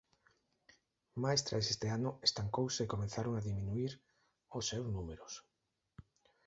Mais tras este ano estancouse e comezaron a diminuír os seus números.